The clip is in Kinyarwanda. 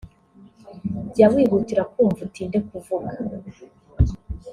jya wihutira kumva utinde kuvuga